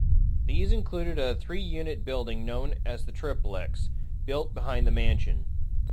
These included a three-unit building known as the Triplex, built behind the mansion.